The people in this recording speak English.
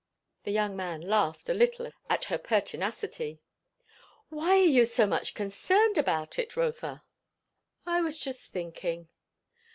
The young man laughed a little at her pertinacity. "What are you so much concerned about it, Rotha?" "I was just thinking."